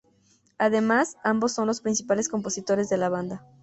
Además, ambos son los principales compositores de la banda.